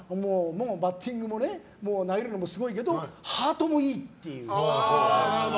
バッティングも投げるのもすごいけどハートもいいっていう。